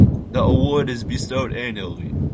The award is bestowed annually.